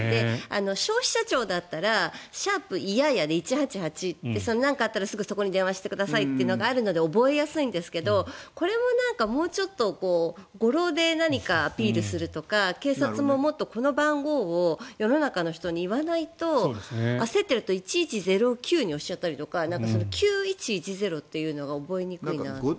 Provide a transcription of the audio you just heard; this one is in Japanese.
消費者庁だったら「＃１８８」で何かあったら、ここに電話をしてくださいというので覚えやすいんですがこれももうちょっと語呂で何かアピールするとか警察もこの番号を世の中の人に言わないと焦っていると間違えちゃったりとか９１１０というのが覚えにくいなと。